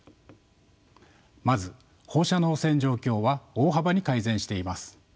まず放射能汚染状況は大幅に改善しています。